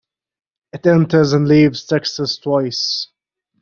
It enters and leaves Texas twice.